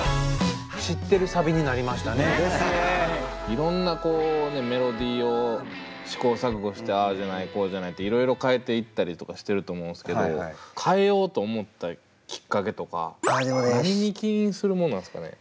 いろんなメロディーを試行錯誤してああじゃないこうじゃないっていろいろ変えていったりとかしてると思うんですけど変えようと思ったきっかけとか何に起因するもんなんですかね？